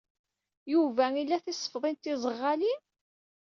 Yuba ila tisefḍin tiẓeɣɣalin?